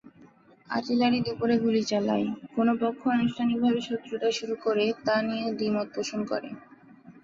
Artillery দুপুরে গুলি চালায়, কোন পক্ষ আনুষ্ঠানিকভাবে শত্রুতা শুরু করে তা নিয়ে দ্বিমত পোষণ করে।